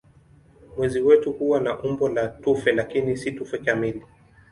Mwezi wetu huwa na umbo la tufe lakini si tufe kamili.